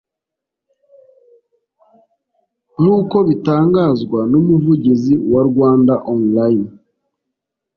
nk’uko bitangazwa n’umuvugizi wa Rwanda Online